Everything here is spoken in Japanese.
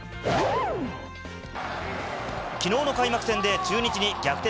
きのうの開幕戦で中日に逆転